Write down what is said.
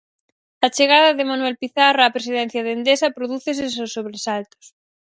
A chegada de Manuel Pizarro á presidencia de Endesa prodúcese sen sobresaltos.